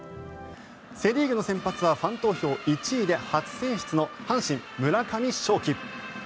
セ・リーグの先発はファン投票１位で初選出の阪神、村上頌樹。